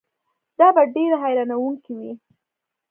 دا به ډېره حیرانوونکې وي.